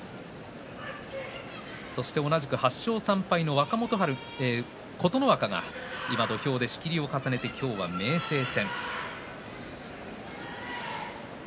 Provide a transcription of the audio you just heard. そして同じく８勝３敗の琴ノ若が今、土俵で仕切りを重ねて今日は明生戦。